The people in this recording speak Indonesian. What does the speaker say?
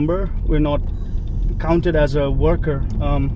dan kami mengingatkan kepentingan kita sebagai pekerja